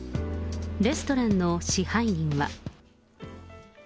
レストランの支配人は。